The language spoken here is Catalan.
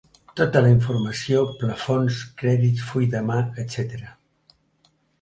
Tota la informació: plafons, crèdits, full de mà, etc.